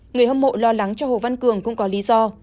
người hâm mộ lo lắng cho hồ văn cường cũng có lý do